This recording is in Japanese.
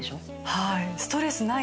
はい。